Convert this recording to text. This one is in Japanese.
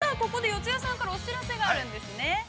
◆さあ、ここで四谷さんからお知らせがあるんですね。